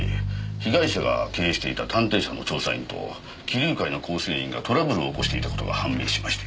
被害者が経営していた探偵社の調査員と貴龍会の構成員がトラブルを起こしていた事が判明しまして。